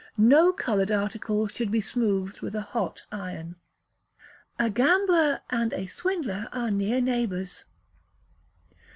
No coloured article should be smoothed with a hot iron. [A GAMBLER AND A SWINDLER ARE NEAR NEIGHBOURS.